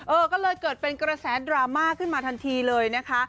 เออก็เลยเกิดเป็นกระแสดราม่าขึ้นมาทันทีเลยนะคะ